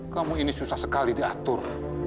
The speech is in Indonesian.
kamu ini susah sekali diatur